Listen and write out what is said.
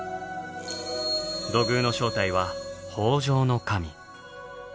土偶の正体は「豊穣の神」。